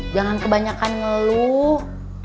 jangan kebanyakan ngeluh